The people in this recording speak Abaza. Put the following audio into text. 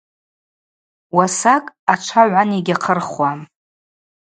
Уасакӏ ачва гӏван йгьахъырхуам.